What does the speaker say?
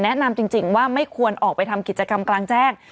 จริงว่าไม่ควรออกไปทำกิจกรรมกลางแจ้ง